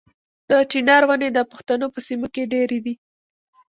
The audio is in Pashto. د چنار ونې د پښتنو په سیمو کې ډیرې دي.